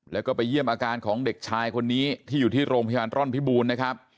แล้วก็ไปเยี่ยมอาการของเด็กชายคนนี้ที่อยู่ที่โรงพยาบาลร่อนพิบูรณ์นะครับ